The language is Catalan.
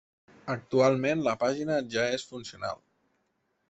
Actualment la pàgina ja és funcional.